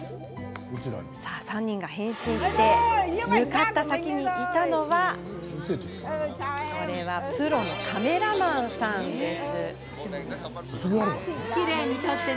３人が変身して向かった先にいたのはプロのカメラマンです。